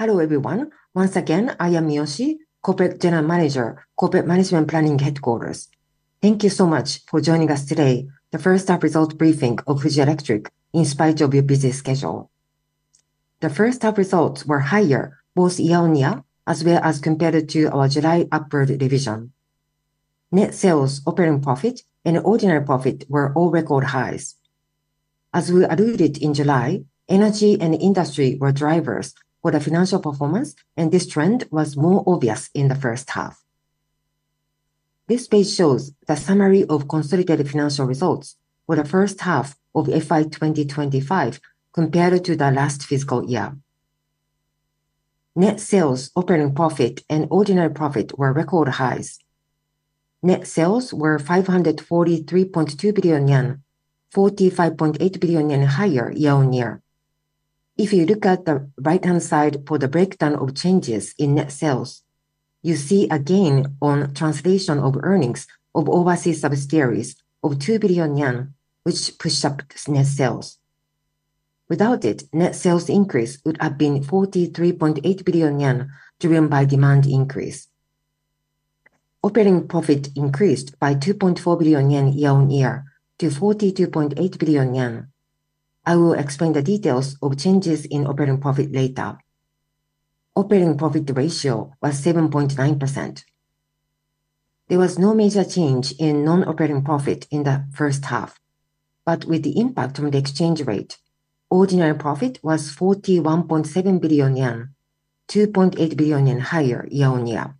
Hello everyone, once again I am Yoshitada Miyoshi, Corporate General Manager, Corporate Management Planning Headquarters. Thank you so much for joining us today for the first-half results briefing of Fuji Electric Co., Ltd. in spite of your busy schedule. The first-half results were higher both year-on-year as well as compared to our July upward revision. Net sales, operating profit, and ordinary profit were all record highs. As we alluded to in July, energy and industry were drivers for the financial performance, and this trend was more obvious in the first half. This page shows the summary of consolidated financial results for the first half of FY 2025 compared to the last fiscal year. Net sales, operating profit, and ordinary profit were record highs. Net sales were ¥543.2 billion, ¥45.8 billion higher year-on-year. If you look at the right-hand side for the breakdown of changes in net sales, you see a gain on translation of earnings of overseas subsidiaries of ¥2 billion, which pushed up net sales. Without it, net sales increase would have been ¥43.8 billion driven by demand increase. Operating profit increased by ¥2.4 billion year-on-year to ¥42.8 billion. I will explain the details of changes in operating profit later. Operating profit ratio was 7.9%. There was no major change in non-operating profit in the first half, but with the impact from the exchange rate, ordinary profit was ¥41.7 billion, ¥2.8 billion higher year-on-year.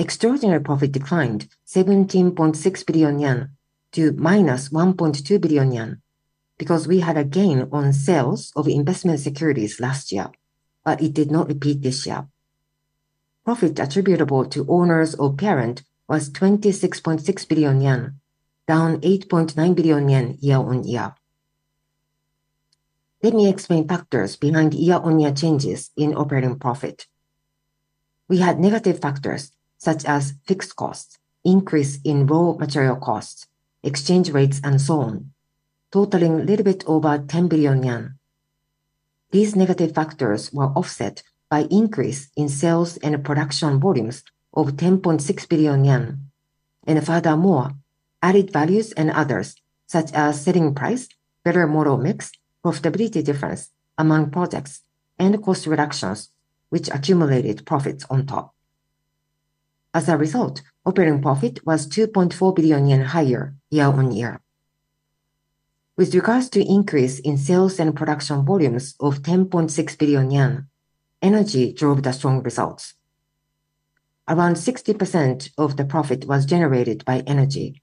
Extraordinary profit declined ¥17.6 billion to ¥-1.2 billion because we had a gain on sales of investment securities last year, but it did not repeat this year. Profit attributable to owners of parent was ¥26.6 billion, down ¥8.9 billion year-on-year. Let me explain factors behind year-on-year changes in operating profit. We had negative factors such as fixed costs, increase in raw material costs, exchange rates, and so on, totaling a little bit over ¥10 billion. These negative factors were offset by an increase in sales and production volumes of ¥10.6 billion, and furthermore, added values and others such as selling price, better model mix, profitability difference among products, and cost reductions, which accumulated profits on top. As a result, operating profit was ¥2.4 billion higher year-on-year. With regards to the increase in sales and production volumes of ¥10.6 billion, energy drove the strong results. Around 60% of the profit was generated by energy.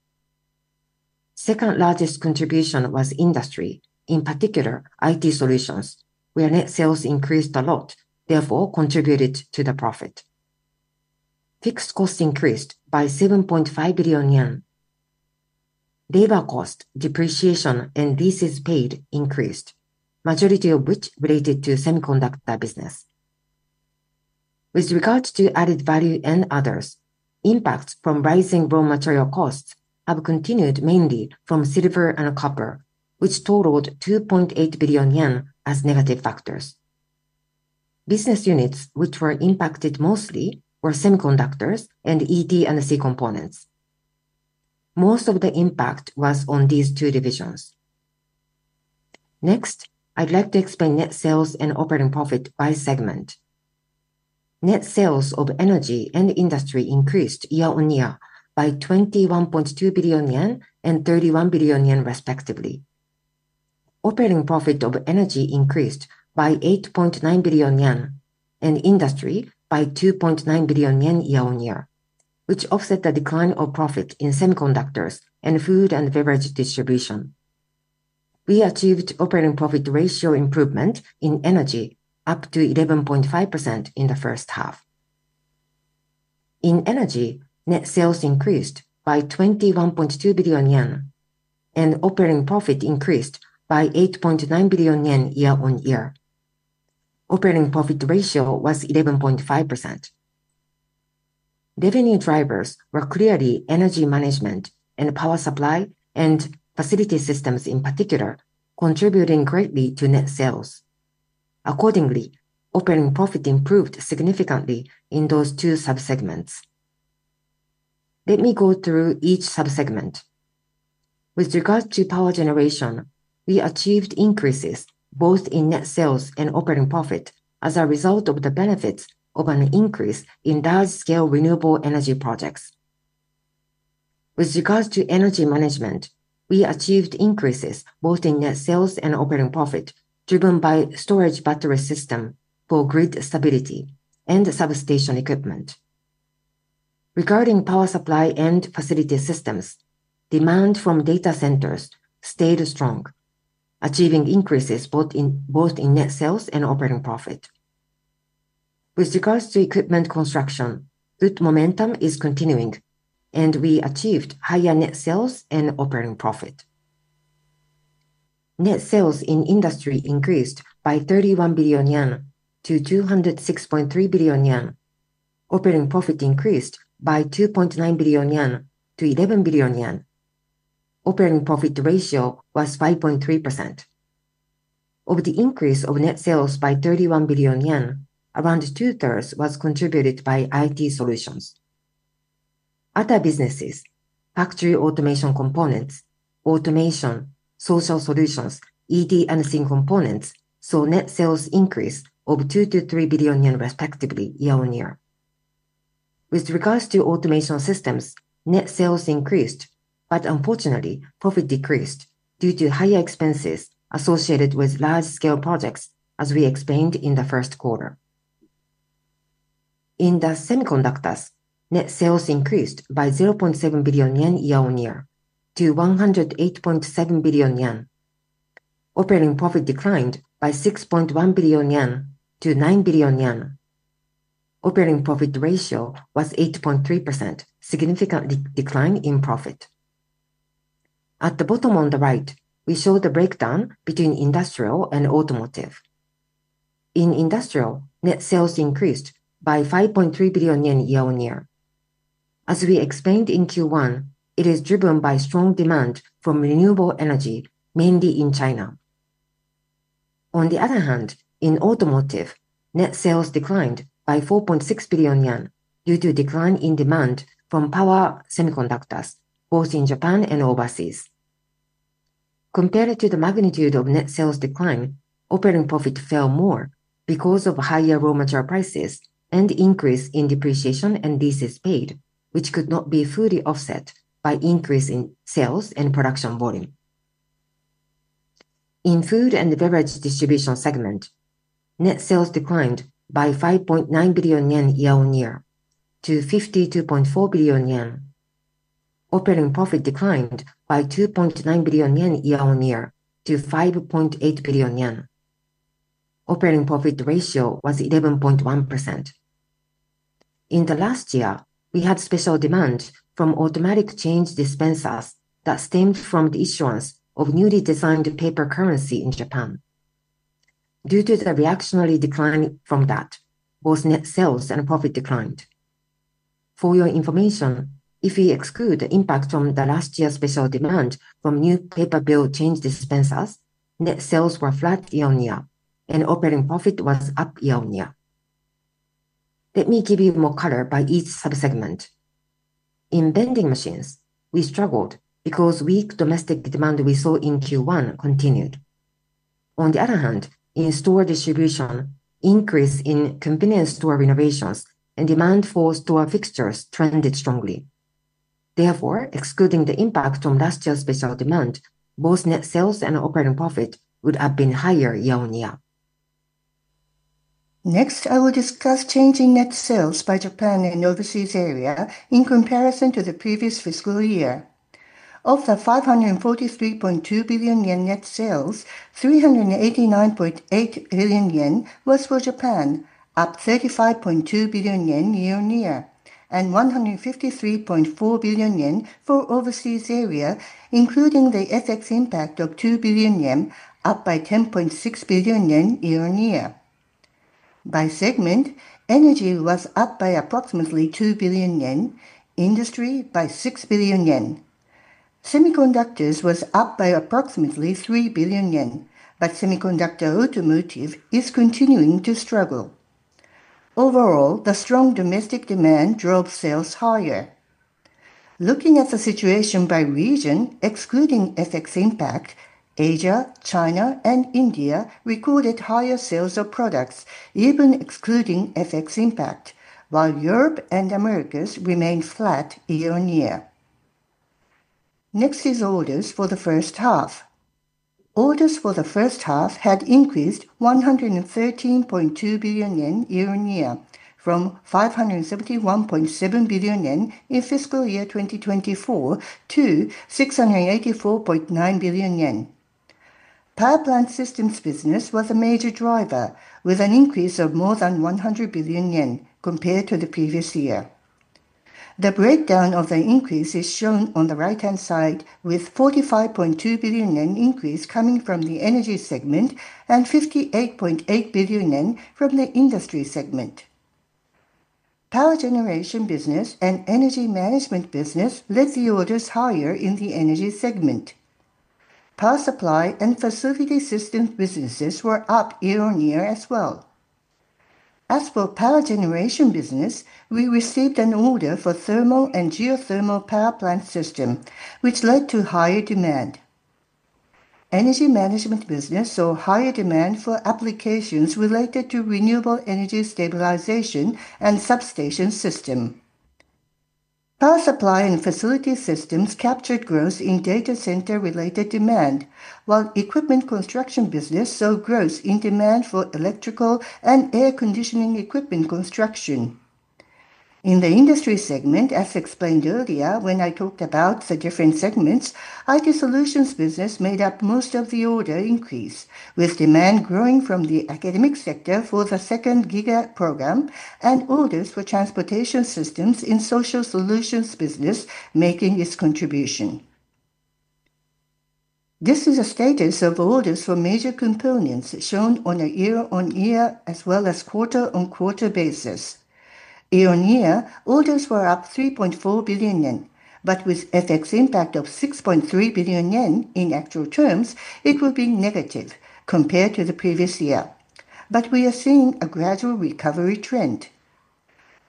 The second largest contribution was industry, in particular IT solutions, where net sales increased a lot, therefore contributed to the profit. Fixed costs increased by ¥7.5 billion. Labor costs, depreciation, and leases paid increased, the majority of which related to the semiconductor business. With regards to added value and others, impacts from rising raw material costs have continued mainly from silver and copper, which totaled ¥2.8 billion as negative factors. Business units which were impacted mostly were semiconductors and ED and C components. Most of the impact was on these two divisions. Next, I'd like to explain net sales and operating profit by segment. Net sales of energy and industry increased year-on-year by ¥21.2 billion and ¥31 billion respectively. Operating profit of energy increased by ¥8.9 billion and industry by ¥2.9 billion year-on-year, which offset the decline of profit in semiconductors and food and beverage distribution. We achieved operating profit ratio improvement in energy up to 11.5% in the first half. In energy, net sales increased by ¥21.2 billion, and operating profit increased by ¥8.9 billion year-on-year. Operating profit ratio was 11.5%. Revenue drivers were clearly energy management systems and power supply equipment and facility systems in particular, contributing greatly to net sales. Accordingly, operating profit improved significantly in those two subsegments. Let me go through each subsegment. With regards to power generation, we achieved increases both in net sales and operating profit as a result of the benefits of an increase in large-scale renewable energy projects. With regards to energy management systems, we achieved increases both in net sales and operating profit driven by storage battery systems for grid stability and substation equipment. Regarding power supply equipment and facility systems, demand from data centers stayed strong, achieving increases both in net sales and operating profit. With regards to equipment construction, good momentum is continuing, and we achieved higher net sales and operating profit. Net sales in industry increased by ¥31 billion to ¥206.3 billion. Operating profit increased by ¥2.9 billion to ¥11 billion. Operating profit ratio was 5.3%. Of the increase of net sales by ¥31 billion, around two-thirds was contributed by IT solutions. Other businesses, factory automation components, automation, social solutions, ED and C components saw net sales increase of ¥2 to ¥3 billion respectively year-on-year. With regards to automation systems, net sales increased, but unfortunately, profit decreased due to higher expenses associated with large-scale projects, as we explained in the first quarter. In the semiconductors, net sales increased by ¥0.7 billion year-on-year to ¥108.7 billion. Operating profit declined by ¥6.1 billion to ¥9 billion. Operating profit ratio was 8.3%, a significant decline in profit. At the bottom on the right, we show the breakdown between industrial and automotive. In industrial, net sales increased by ¥5.3 billion year-on-year. As we explained in Q1, it is driven by strong demand from renewable energy, mainly in China. On the other hand, in automotive, net sales declined by ¥4.6 billion due to a decline in demand from power semiconductors both in Japan and overseas. Compared to the magnitude of net sales decline, operating profit fell more because of higher raw material prices and an increase in depreciation and leases paid, which could not be fully offset by an increase in sales and production volume. In the food and beverage distribution segment, net sales declined by ¥5.9 billion year-on-year to ¥52.4 billion. Operating profit declined by ¥2.9 billion year-on-year to ¥5.8 billion. Operating profit ratio was 11.1%. In the last year, we had special demand from automatic change dispensers that stemmed from the issuance of newly designed paper currency in Japan. Due to the reactionary decline from that, both net sales and profit declined. For your information, if we exclude the impact from the last year's special demand from new paper bill change dispensers, net sales were flat year-on-year, and operating profit was up year-on-year. Let me give you more color by each subsegment. In vending machines, we struggled because weak domestic demand we saw in Q1 continued. On the other hand, in store distribution, an increase in convenience store renovations and demand for store fixtures trended strongly. Therefore, excluding the impact from last year's special demand, both net sales and operating profit would have been higher year-on-year. Next, I will discuss changing net sales by Japan and overseas area in comparison to the previous fiscal year. Of the ¥543.2 billion net sales, ¥389.8 billion was for Japan, up ¥35.2 billion year-on-year, and ¥153.4 billion for overseas area, including the FX impact of ¥2 billion, up by ¥10.6 billion year-on-year. By segment, energy was up by approximately ¥2 billion, industry by ¥6 billion. Semiconductors was up by approximately ¥3 billion, but semiconductor automotive is continuing to struggle. Overall, the strong domestic demand drove sales higher. Looking at the situation by region, excluding FX impact, Asia, China, and India recorded higher sales of products, even excluding FX impact, while Europe and Americas remained flat year-on-year. Next is orders for the first half. Orders for the first half had increased ¥113.2 billion year-on-year from ¥571.7 billion in fiscal year 2024 to ¥684.9 billion. Power plant systems business was a major driver, with an increase of more than ¥100 billion compared to the previous year. The breakdown of the increase is shown on the right-hand side, with a ¥45.2 billion increase coming from the energy segment and ¥58.8 billion from the industry segment. Power generation business and energy management business led the orders higher in the energy segment. Power supply and facility systems businesses were up year-on-year as well. As for power generation business, we received an order for thermal and geothermal power plant systems, which led to higher demand. Energy management business saw higher demand for applications related to renewable energy stabilization and substation systems. Power supply and facility systems captured growth in data center-related demand, while equipment construction business saw growth in demand for electrical and air conditioning equipment construction. In the industry segment, as explained earlier when I talked about the different segments, IT solutions business made up most of the order increase, with demand growing from the academic sector for the second GIGA program and orders for transportation systems in social solutions business making its contribution. This is the status of orders for major components shown on a year-on-year as well as quarter-on-quarter basis. Year-on-year, orders were up ¥3.4 billion, but with an FX impact of ¥6.3 billion in actual terms, it will be negative compared to the previous year, but we are seeing a gradual recovery trend.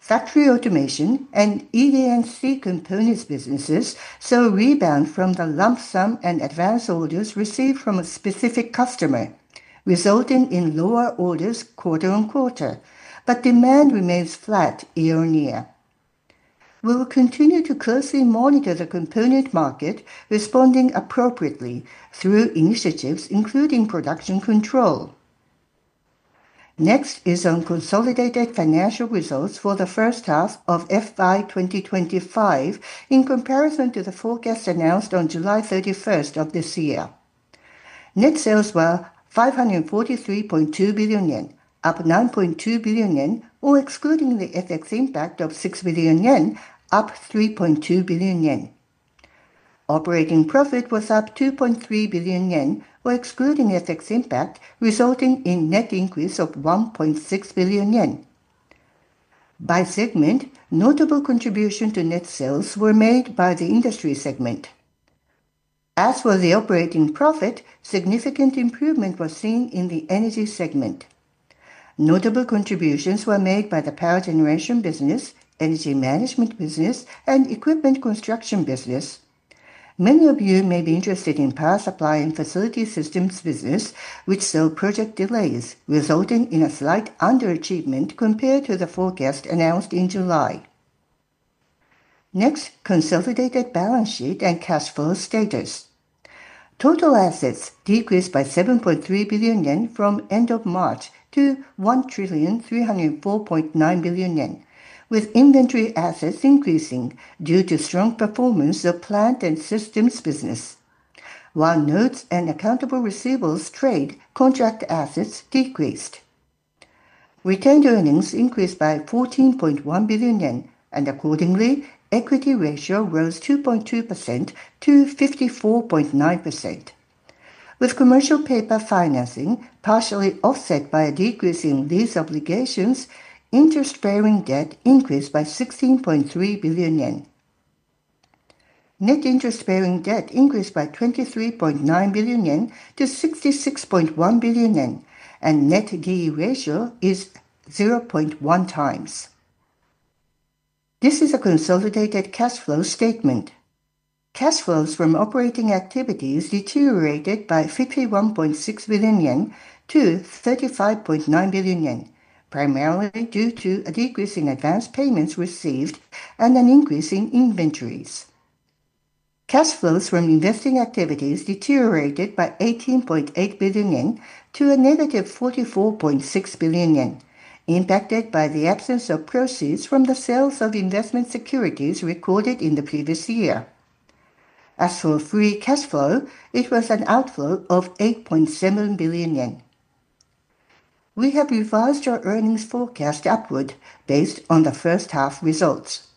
Factory automation and ED and C components businesses saw a rebound from the lump sum and advance orders received from a specific customer, resulting in lower orders quarter-on-quarter, but demand remains flat year-on-year. We will continue to closely monitor the component market, responding appropriately through initiatives including production control. Next is on consolidated financial results for the first half of FY2025 in comparison to the forecast announced on July 31 of this year. Net sales were ¥543.2 billion, up ¥9.2 billion, or excluding the FX impact of ¥6 billion, up ¥3.2 billion. Operating profit was up ¥2.3 billion, or excluding FX impact, resulting in a net increase of ¥1.6 billion. By segment, notable contributions to net sales were made by the industry segment. As for the operating profit, significant improvement was seen in the energy segment. Notable contributions were made by the power generation business, energy management business, and equipment construction business. Many of you may be interested in power supply and facility systems business, which saw project delays, resulting in a slight underachievement compared to the forecast announced in July. Next, consolidated balance sheet and cash flow status. Total assets decreased by ¥7.3 billion from the end of March to ¥1,304.9 billion, with inventory assets increasing due to strong performance of plant and systems business. While notes and accountable receivables trade, contract assets decreased. Retained earnings increased by ¥14.1 billion, and accordingly, equity ratio rose 2.2% to 54.9%. With commercial paper financing partially offset by a decrease in lease obligations, interest-bearing debt increased by ¥16.3 billion. Net interest-bearing debt increased by ¥23.9 billion to ¥66.1 billion, and net D/E ratio is 0.1 times. This is a consolidated cash flow statement. Cash flows from operating activities deteriorated by ¥51.6 billion to ¥35.9 billion, primarily due to a decrease in advance payments received and an increase in inventories. Cash flows from investing activities deteriorated by ¥18.8 billion to a negative ¥44.6 billion, impacted by the absence of proceeds from the sales of investment securities recorded in the previous year. As for free cash flow, it was an outflow of ¥8.7 billion. We have revised our earnings forecast upward based on the first half results.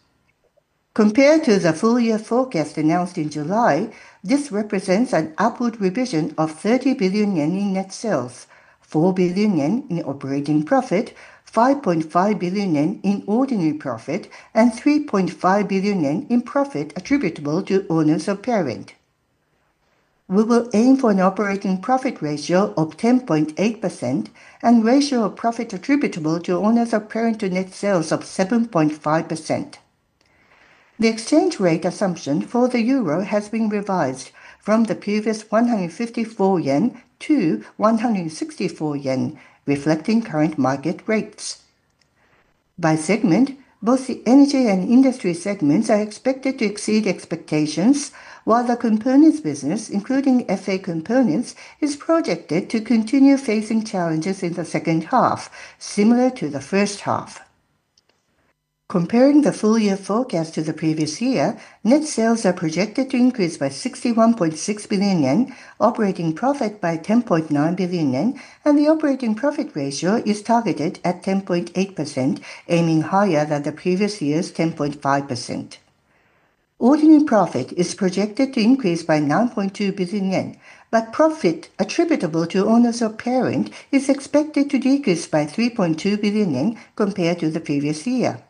Compared to the full-year forecast announced in July, this represents an upward revision of ¥30 billion in net sales, ¥4 billion in operating profit, ¥5.5 billion in ordinary profit, and ¥3.5 billion in profit attributable to owners of parent. We will aim for an operating profit ratio of 10.8% and a ratio of profit attributable to owners of parent to net sales of 7.5%. The exchange rate assumption for the euro has been revised from the previous ¥154 to ¥164, reflecting current market rates. By segment, both the energy and industry segments are expected to exceed expectations, while the components business, including factory automation components, is projected to continue facing challenges in the second half, similar to the first half. Comparing the full-year forecast to the previous year, net sales are projected to increase by ¥61.6 billion, operating profit by ¥10.9 billion, and the operating profit ratio is targeted at 10.8%, aiming higher than the previous year's 10.5%. Ordinary profit is projected to increase by ¥9.2 billion, but profit attributable to owners of parent is expected to decrease by ¥3.2 billion compared to the previous year.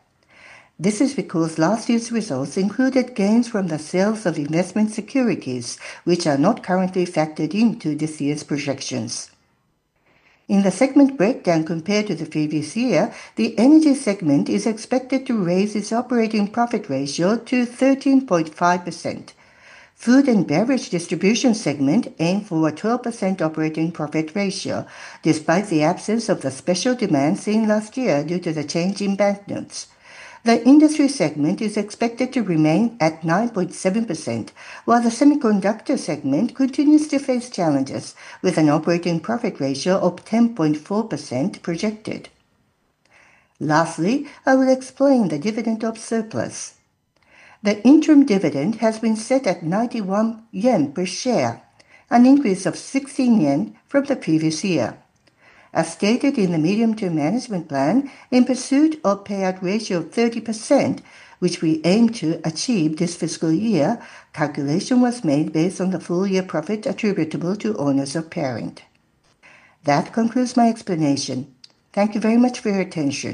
This is because last year's results included gains from the sales of investment securities, which are not currently factored into this year's projections. In the segment breakdown compared to the previous year, the energy segment is expected to raise its operating profit ratio to 13.5%. The food and beverage distribution segment aimed for a 12% operating profit ratio, despite the absence of the special demand seen last year due to the change in banknotes. The industry segment is expected to remain at 9.7%, while the semiconductor segment continues to face challenges, with an operating profit ratio of 10.4% projected. Lastly, I will explain the dividend of surplus. The interim dividend has been set at ¥91 per share, an increase of ¥16 from the previous year. As stated in the medium-term management plan, in pursuit of a payout ratio of 30%, which we aim to achieve this fiscal year, calculation was made based on the full-year profit attributable to owners of parent. That concludes my explanation. Thank you very much for your attention.